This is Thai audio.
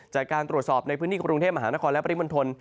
จากการตรวจสอบในพื้นที่กรุงเทพมหานครและปริมณฑล